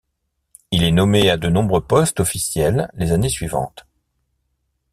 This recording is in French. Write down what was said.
Il est nommé à de nombreux postes officiels les années suivantes.